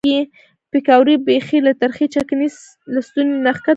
پیکورې بیخي له ترخې چکنۍ له ستوني نه ښکته کېږي.